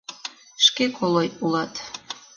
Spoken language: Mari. — Шке колой улат...